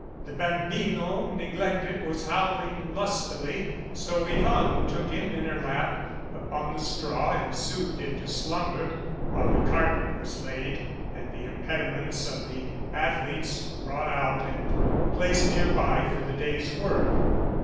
The bambino, neglected, was howling lustily, so Yvonne took him in her lap upon the straw and soothed 198 him to slumber while the carpet was laid and the impedi menta of the athletes brought out and placed near by for the day's work.